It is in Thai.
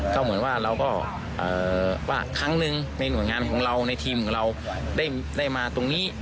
ก็เหมือนว่าเราก็ว่าครั้งหนึ่งในหน่วยงานของเราในทีมของเราได้มาตรงนี้